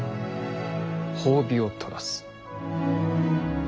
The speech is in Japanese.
褒美を取らす。